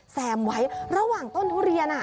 แซมไว้ระหว่างต้นทุเรียน